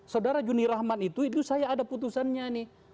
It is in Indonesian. saudara juni rahman itu itu saya ada putusannya nih